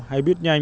hay biết nhanh